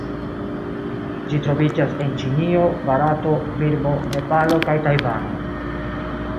Ĝi troviĝas en Ĉinio, Barato, Birmo, Nepalo kaj Tajvano.